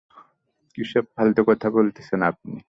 কিসব ফালতু কথা বলতেছেন আপনি।